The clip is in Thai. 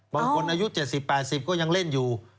บางคนอายุ๗๐๘๐ก็ยังเล่นอยู่